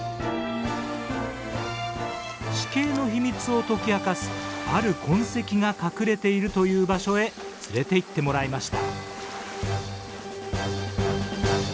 地形の秘密を解き明かすある痕跡が隠れているという場所へ連れていってもらいました。